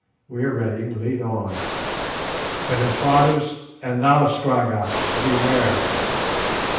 We are ready, lead on. But Infadoos, and thou Scragga, beware!